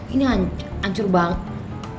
ini ancur banget